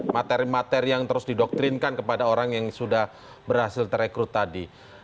materi materi yang terus didoktrinkan kepada orang yang sudah berhasil terekrut tadi